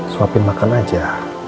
suapin makan aja